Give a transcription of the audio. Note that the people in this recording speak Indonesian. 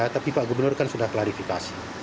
tapi pak gubernur kan sudah klarifikasi